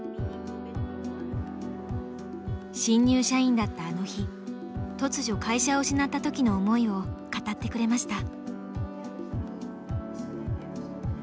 新入社員だったあの日突如会社を失った時の思いを語ってくれました。